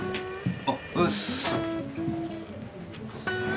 あうっす。